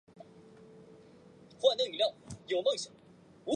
剧中并没有提及柯博文的死亡或是赛博创星的毁灭。